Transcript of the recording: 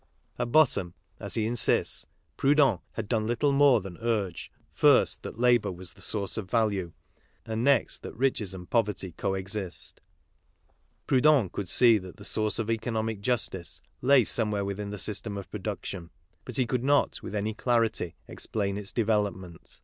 At bottom, as' he insists KARL MARX 13 Proudhon had done little more than urge, first that labour was the source of value, and next that riches and poverty co exist. Proudhon could see that the source of economic injustice lay somewhere within the system of production, but he could not, with any clarity, explain its development.